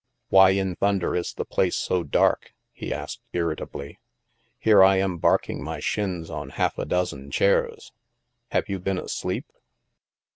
" Why in thunder is the place so dark ?" he asked irritably. " Here I am barking my shins on half a dozen chairs. Have you been asleep